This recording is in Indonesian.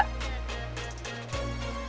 lo mau gak